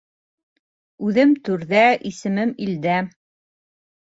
Үҙем түрҙә, исемем илдә.